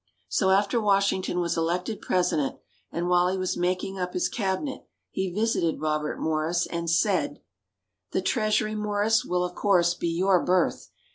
So after Washington was elected President, and while he was making up his Cabinet, he visited Robert Morris, and said: "The Treasury, Morris, will of course be your berth.